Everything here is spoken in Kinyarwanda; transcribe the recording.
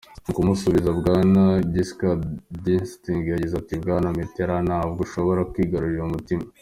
Mu kumusubiza, Bwana Giscard d'Estaing yagize ati: "Bwana Mitterand, ntabwo ushobora kwigarurira umutima".